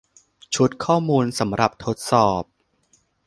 ชุดข้อมูลสำหรับทดสอบ